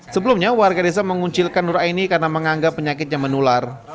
sebelumnya warga desa menguncilkan nur aini karena menganggap penyakitnya menular